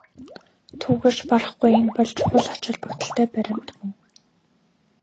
Түүгээр ч барахгүй энэ бол чухал ач холбогдолтой баримт мөн.